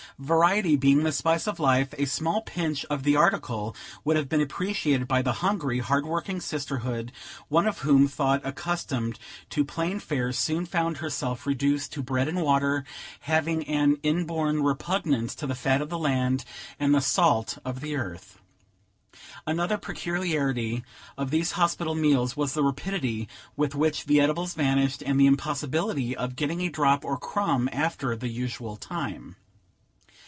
Variety being the spice of life, a small pinch of the article would have been appreciated by the hungry, hard working sisterhood, one of whom, though accustomed to plain fare, soon found herself reduced to bread and water; having an inborn repugnance to the fat of the land, and the salt of the earth. Another peculiarity of these hospital meals was the rapidity with which the edibles vanished, and the impossibility of getting a drop or crumb after the usual time.